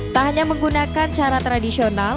tak hanya menggunakan cara tradisional